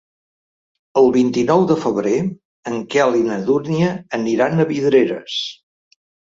El vint-i-nou de febrer en Quel i na Dúnia aniran a Vidreres.